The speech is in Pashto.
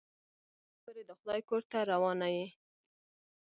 چپ شه، ښې ښې خبرې د خدای کور ته روانه يې.